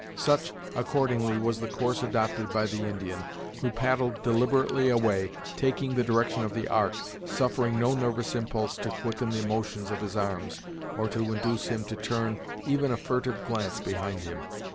Such, accordingly, was the course adopted by the Indian, who paddled deliberately away, taking the direction of the Ark, suffering no nervous impulse to quicken the motions of his arms, or to induce him to turn even a furtive glance behind him.